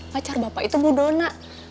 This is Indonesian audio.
pacar bapak itu bu dona